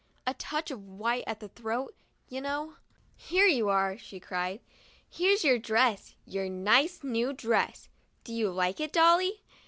A touch of white at the throat, you know — "Here you are," she cried; "here's your dress — your nice new dress. Do you like it, Dolly?"